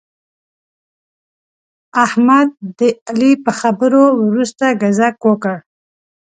احمد د علي په خبرو ورسته ګذک وکړ.